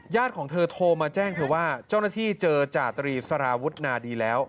ของเธอโทรมาแจ้งเธอว่าเจ้าหน้าที่เจอจาตรีสารวุฒนาดีแล้ว